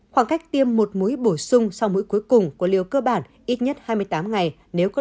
khoảng cách tiêm một mũi bổ sung sau mũi cuối cùng của liều cơ bản ít nhất hai mươi tám ngày nếu có